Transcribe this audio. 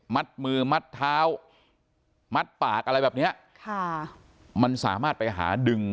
มัดมือมัดเท้ามัดปากอะไรแบบเนี้ยค่ะมันสามารถไปหาดึง